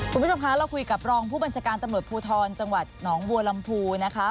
คุณผู้ชมคะเราคุยกับรองผู้บัญชาการตำรวจภูทรจังหวัดหนองบัวลำพูนะคะ